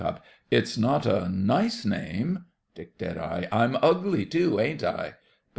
It's not a nice name. DICK. I'm ugly too, ain't I? BUT.